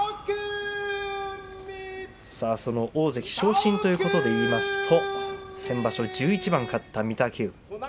大関昇進ということで言いますと先場所１１番勝った御嶽海